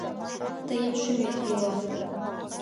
Тыйын шӱмет йӱла.